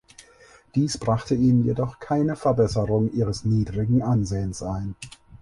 Dies brachte ihnen jedoch keine Verbesserung ihres niedrigen Ansehens ein.